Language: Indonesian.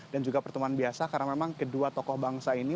dan juga pertemuan biasa karena memang kedua tokoh bangsa ini